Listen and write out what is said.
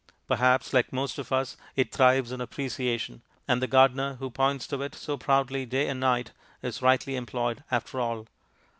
Perhaps, like most of us, it thrives on appreciation, and the gardener, who points to it so proudly day and night, is rightly employed after all.